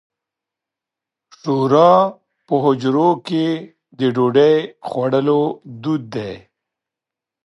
شوروا په حجرو کې د ډوډۍ خوړلو دود دی.